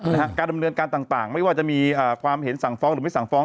การดำเนินการต่างต่างไม่ว่าจะมีความเห็นสั่งฟ้องหรือไม่สั่งฟ้อง